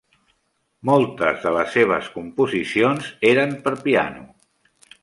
Moltes de les seves composicions eren per piano.